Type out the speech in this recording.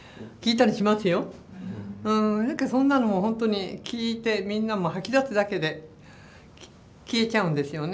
何かそんなのも本当に聞いてみんなも吐き出すだけで消えちゃうんですよね。